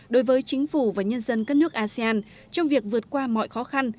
đối với chính phủ và nhân dân các nước asean trong việc vượt qua mọi khó khăn